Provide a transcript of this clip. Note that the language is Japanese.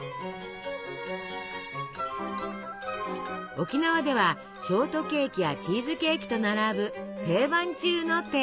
沖縄ではショートケーキやチーズケーキと並ぶ定番中の定番。